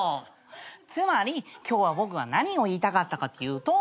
つまり今日は僕は何を言いたかったかというと。